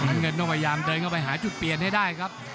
น้ำเงินต้องพยายามเดินเข้าไปหาจุดเปลี่ยนให้ได้ครับ